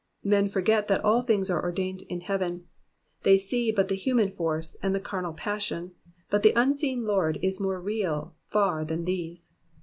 Men forget that all things are ordained in heaven ; they see but the human force, and the carnal passion but the unseen Lord is more real far than these.